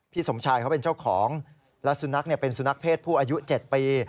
สมชายเขาเป็นเจ้าของและสุนัขเป็นสุนัขเพศผู้อายุ๗ปี